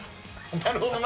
なるほどな。